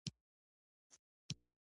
دا زموږ انساني دنده ده.